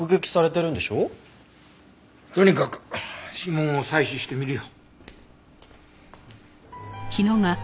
とにかく指紋を採取してみるよ。